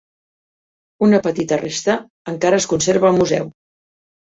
Una petita resta, encara es conserva al museu.